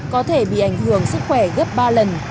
có thể bị ảnh hưởng sức khỏe gấp ba lần